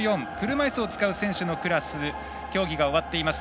車いすを使う選手のクラスの競技が終わっています。